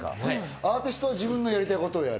アーティストは自分がやりたいことをやる。